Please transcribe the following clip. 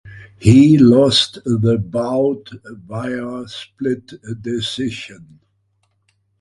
He lost the bout via split decision.